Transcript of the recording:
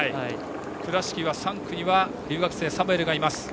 倉敷は３区には留学生のサムエルがいます。